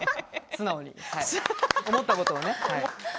素直にね、思ったことを。